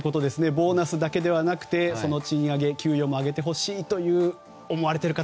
ボーナスだけではなくて賃上げ、給与も上げてほしいと思われている方